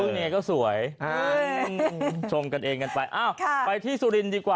เนยก็สวยชมกันเองกันไปอ้าวไปที่สุรินทร์ดีกว่า